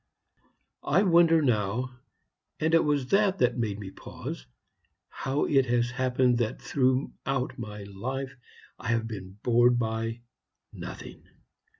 I wonder now and it was that made me pause how it has happened that, throughout my life, I have been bored by nothing.